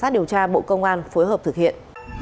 tiếp tục phối hợp thực hiện